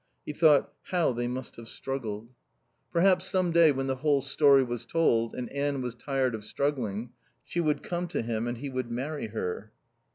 He thought: How they must have struggled. Perhaps, some day, when the whole story was told and Anne was tired of struggling, she would come to him and he would marry her.